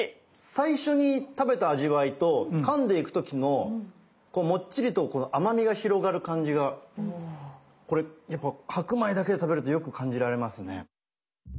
最初に食べた味わいとかんでいく時のこうもっちりとこの甘みが広がる感じがこれやっぱ白米だけで食べるとよく感じられますね。